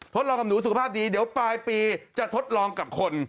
ทดลองกับหนูสุขภาพดีเดี๋ยวปลายปีจะทดลองกับคน